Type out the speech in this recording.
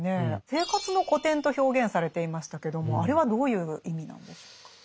「生活の古典」と表現されていましたけどもあれはどういう意味なんでしょうか。